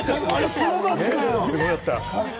すごかったよ。